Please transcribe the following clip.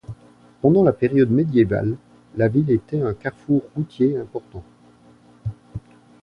Pendant la période médiévale, la ville était un carrefour routier important.